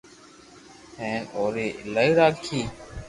ھين اوري ايلائي راکي